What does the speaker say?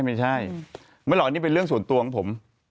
ไม่เหรอนี่เป็นเรื่องส่วนตัวของผม